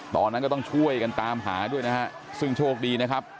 ตอนนั้นก็ต้องช่วยกันตามหาด้วยนะฮะซึ่งโชคดีนะครับ